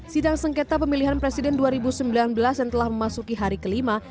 sidang sengketa pemilihan presiden dua ribu sembilan belas yang telah memasuki hari kelima